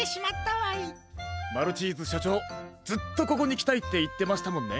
マルチーズしょちょうずっとここにきたいっていってましたもんね。